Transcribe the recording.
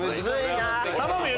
頼むよ！